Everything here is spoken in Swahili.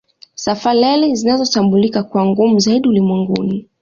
Safari Rally zinazotambulika kuwa ngumu zaidi ulimwenguni